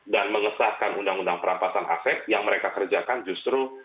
mengesahkan undang undang perampasan aset yang mereka kerjakan justru